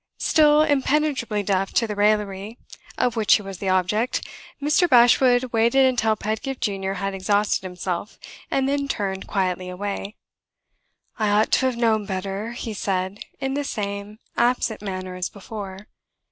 Still impenetrably deaf to the raillery of which he was the object, Mr. Bashwood waited until Pedgift Junior had exhausted himself, and then turned quietly away. "I ought to have known better," he said, in the same absent manner as before.